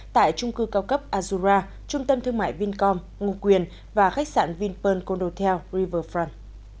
tại trung cư cao cấp azura trung tâm thương mại vincom ngu quyền và khách sạn vinpearl condotel riverfront